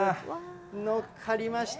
のっかりました。